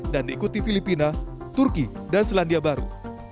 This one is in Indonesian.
dan diikuti filipina turki dan selandia baru